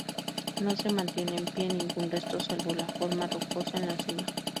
No se mantiene en pie ningún resto salvo la forma rocosa en la cima.